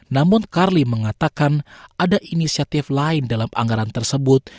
namun carly mengatakan ada inisiatif lain dalam anggaran tersebut